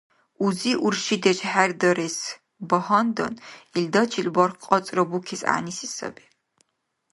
Узи-уршидеш хӀердарес багьандан, илдачил барх кьацӀра букес гӀягӀниси саби.